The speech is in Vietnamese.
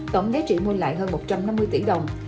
tổng giá trị mua lại hơn một trăm năm mươi tỷ đồng